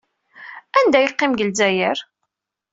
Anda ay yeqqim deg Lezzayer?